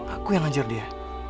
aku yang ngajur dia